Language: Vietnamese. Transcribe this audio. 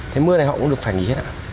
thế mưa này họ cũng được phản ý ạ